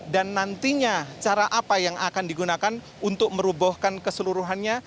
dan nantinya cara apa yang akan digunakan untuk merubohkan keseluruhannya